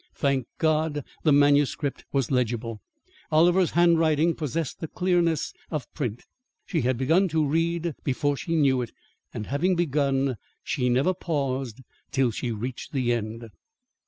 Thank God! the manuscript was legible. Oliver's handwriting possessed the clearness of print. She had begun to read before she knew it, and having begun, she never paused till she reached the end.